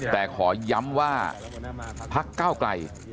แต่ขอย้ำว่าพักเก้าไกล